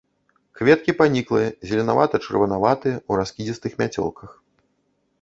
Кветкі паніклыя, зеленавата-чырванаватыя, у раскідзістых мяцёлках.